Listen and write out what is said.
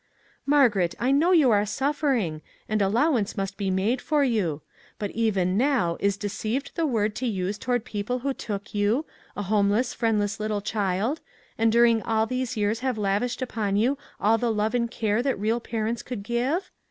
" Margaret, I know you are suffering, and allowance must be made for you ; but even now is ' deceived ' the word to use toward people who took you, a homeless, friendless little child, and during all these years have lavished upon you all the love and care that real parents could give?